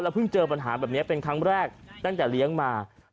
เพิ่งเจอปัญหาแบบนี้เป็นครั้งแรกตั้งแต่เลี้ยงมา